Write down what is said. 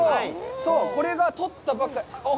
そう、これが取ったばっかりの。